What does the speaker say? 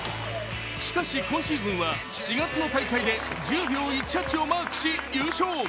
しかし、今シーズンは４月の大会で１０秒１８をマークし、優勝。